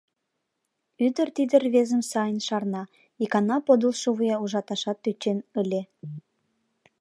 Ӱдыр тиде рвезым сайын шарна: икана подылшо вуя ужаташат тӧчен ыле.